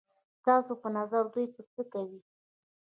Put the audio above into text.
ستاسو په نظر دوی به څه کوي؟